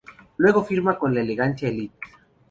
Luego firma con la agencia Elite.